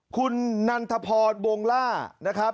คุณนันทพอร์ดโบงล่านะครับ